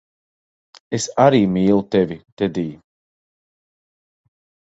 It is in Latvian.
Es arī mīlu tevi, Tedij.